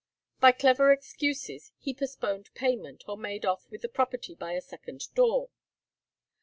By clever excuses he postponed payment, or made off with the property by a second door.